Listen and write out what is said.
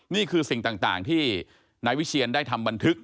นี่คือสิ่งต่างที่นายวิเชียนได้ทำบันทึก